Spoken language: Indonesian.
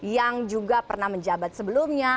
yang juga pernah menjabat sebelumnya